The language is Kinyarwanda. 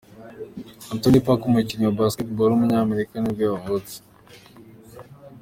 Anthony Parker, umukinnyi wa Basketball w’umunyamerika nibwo yavutse.